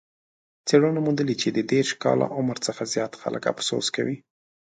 څېړنو موندلې چې د دېرش کاله عمر څخه زیات خلک افسوس کوي.